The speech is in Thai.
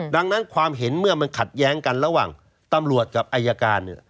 ดังนั้นความเห็นเมื่อมันขัดแย้งกันระหว่างตำรวจกับอายการ